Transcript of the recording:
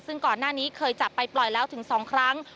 ซึ่งก่อนหน้านี้เคยจับไปปล่อยแล้วถึง๒ครั้ง